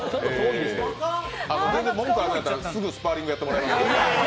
文句あるんやったら、すぐスパーリングやってもらいますよ。